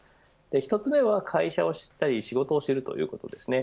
１つ目は会社を知ったり仕事を知るということです。